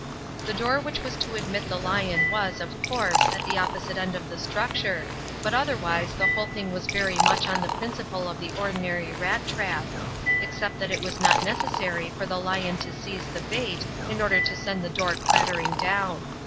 The door which was to admit the lion was, of course, at the opposite end of the structure, but otherwise the whole thing was very much on the principle of the ordinary rat trap, except that it was not necessary for the lion to seize the bait in order to send the door clattering down.